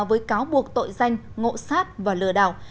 với cáo buộc tội danh ngộ sát và lừa đảo